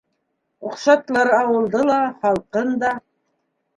Оҡшаттылар ауылды ла, халҡын да.